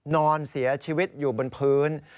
นอนเสียชีวิตอยู่บนพื้น